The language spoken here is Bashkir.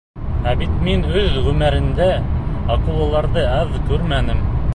Ә бит мин үҙ ғүмеремдә акулаларҙы аҙ күрмәнем.